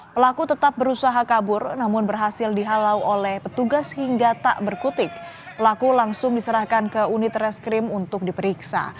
pelaku tetap berusaha kabur namun berhasil dihalau oleh petugas hingga tak berkutik pelaku langsung diserahkan ke unit reskrim untuk diperiksa